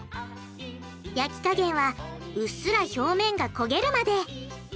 焼き加減はうっすら表面が焦げるまで。